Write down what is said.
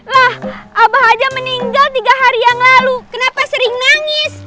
lah abah aja meninggal tiga hari yang lalu kenapa sering nangis